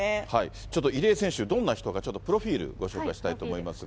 ちょっと入江選手、どんな人かちょっとプロフィール、ご紹介したいと思いますが。